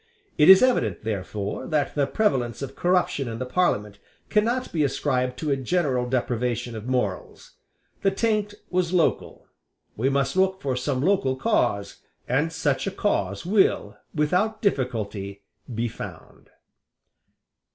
It is evident, therefore, that the prevalence of corruption in the Parliament cannot be ascribed to a general depravation of morals. The taint was local; we must look for some local cause; and such a cause will without difficulty be found.